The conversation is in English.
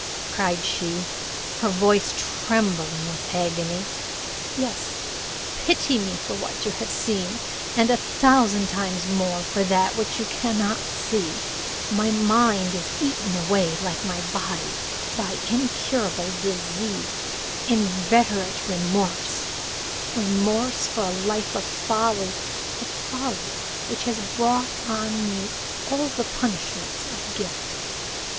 cried she, her voice trembling with agony. "Yes, pity me for what you have seen, and a thousand times more for that which you cannot see: my mind is eaten away like my body by incurable disease inveterate remorse remorse for a life of folly of folly which has brought on me all the punishments of guilt."